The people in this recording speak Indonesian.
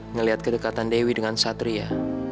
ngelihat kedekatan dewi dengan satria